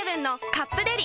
「カップデリ」